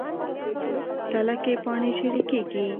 تله کې پاڼې ژیړي کیږي.